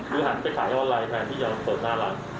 คือหันไปถ่ายเอาอะไรแทนที่จะเปิดหน้าร้าน